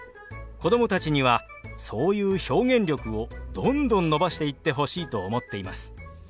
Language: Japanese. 子供たちにはそういう表現力をどんどん伸ばしていってほしいと思っています。